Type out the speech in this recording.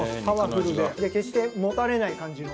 で決してもたれない感じの。